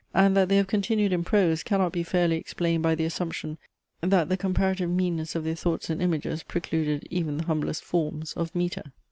And that they have continued in prose, cannot be fairly explained by the assumption, that the comparative meanness of their thoughts and images precluded even the humblest forms of metre.